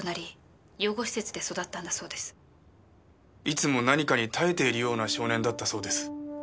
いつも何かに耐えているような少年だったそうです。